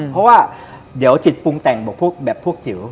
เพราะว่าเดี๋ยวจิตปรุงแต่งบอกแบบพวกจิ๋ว